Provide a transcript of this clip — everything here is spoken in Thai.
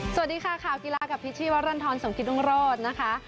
สวัสดีค่ะข่าวกีฬากับพิชชีวรรณฑรสมกิตรุงโรธนะคะ